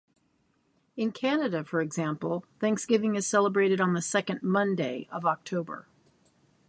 In Canada, for example, Thanksgiving is celebrated on the second Monday of October.